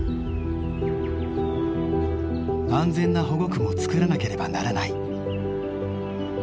安全な保護区も作らなければならない。